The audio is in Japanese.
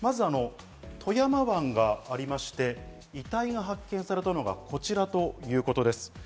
富山湾がありまして、遺体が発見されたのはこちらということです。